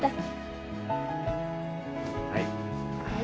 はい。